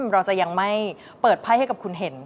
เราจะยังไม่เปิดไพ่ให้กับคุณเห็น